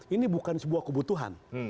ini bukan sebuah kebutuhan